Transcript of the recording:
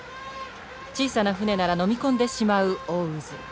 小さな船ならのみ込んでしまう大渦。